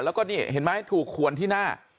แล้วก็นี่เห็นไหมถูกขวนที่หน้า